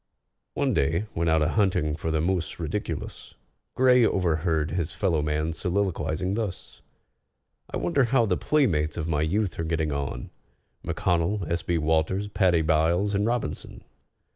One day, when out a hunting for the mus ridiculus, GRAY overheard his fellow man soliloquizing thus: "I wonder how the playmates of my youth are getting on, M'CONNELL, S. B. WALTERS, PADDY BYLES, and ROBINSON?"